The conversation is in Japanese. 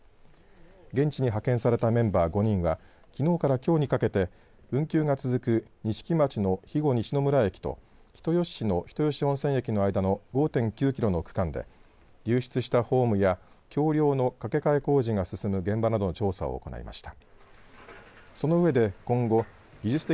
現地に派遣されたメンバー５人はきのうからきょうにかけて運休が続く錦町の肥後西村駅と人吉市の人吉温泉駅の間の５．９キロの区間で流失したホームなどの橋りょうの架け替え工事が進む現場などの調査を行いました。